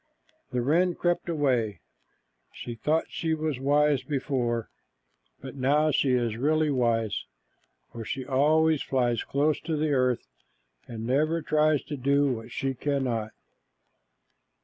The wren crept away. She thought she was wise before, but now she is really wise, for she always flies close to the earth, and never tries to do what she cannot.